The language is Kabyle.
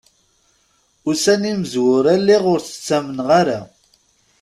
Ussan imezwura lliɣ ur t-ttamneɣ ara.